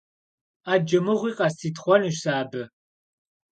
Ӏэджэ мыгъуи къыстритхъуэнущ сэ абы.